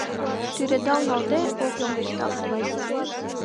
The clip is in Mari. Тӱредал налде ок йоҥгешталт.